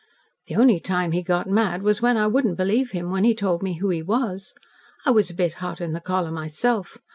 "The only time he got mad was when I wouldn't believe him when he told me who he was. I was a bit hot in the collar myself.